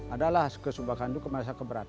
adalah kesumbangan itu kemasa keberatan